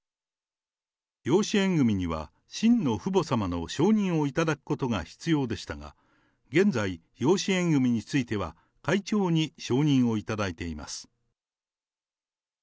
養子縁組には真の父母様の承認を頂くことが必要でしたが、現在、養子縁組については会長に承認を頂いています。